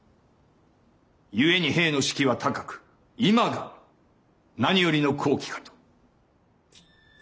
故に兵の士気は高く今が何よりの好機かと。